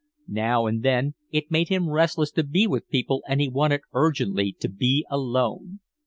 Now and then it made him restless to be with people and he wanted urgently to be alone.